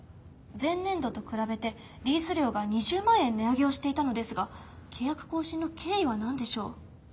前年度と比べてリース料が２０万円値上げをしていたのですが契約更新の経緯は何でしょう？